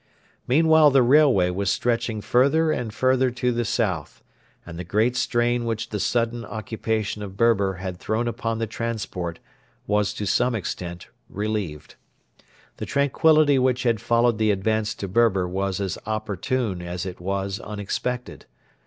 Meanwhile the railway was stretching further and further to the south, and the great strain which the sudden occupation of Berber had thrown upon the transport was to some extent relieved. The tranquillity which had followed the advance to Berber was as opportune as it was unexpected.